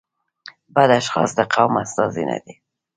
بد اشخاص د قوم استازي نه دي.